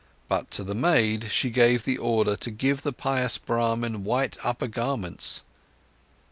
But to the maid she gave the order to give the pious Brahman white upper garments.